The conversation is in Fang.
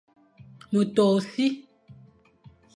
Me to e si,